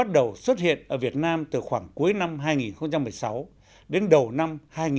đầu xuất hiện ở việt nam từ khoảng cuối năm hai nghìn một mươi sáu đến đầu năm hai nghìn một mươi tám